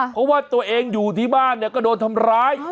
เพราะว่าตัวเองอยู่ที่บ้านเนี่ยก็โดนทำร้าย